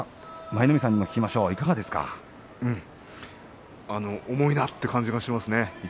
舞の海さんに聞きましょう重いなという感じがしますね